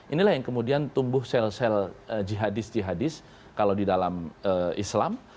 inilah yang kemudian tumbuh sel sel jihadis jihadis kalau di dalam islam